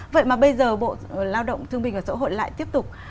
vậy mà bây giờ bộ lao động thương binh và xã hội lại tiếp tục